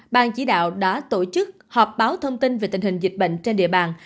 ban chỉ đạo đã tổ chức họp báo thông tin về tình hình dịch bệnh trên địa bàn